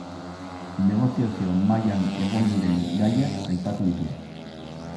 Negoziazio mahaian egon diren gaiak aipatu ditu.